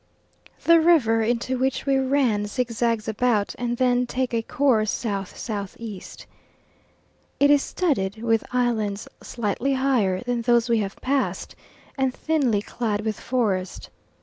The river into which we ran zigzags about, and then takes a course S.S.E. It is studded with islands slightly higher than those we have passed, and thinly clad with forest.